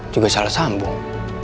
juga salah sambung